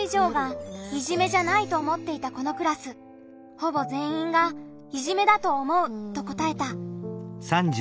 ほぼ全員が「いじめだと思う」と答えた。